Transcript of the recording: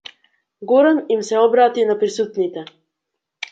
Горан им се обрати на присутните.